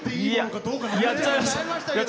やっちゃいました。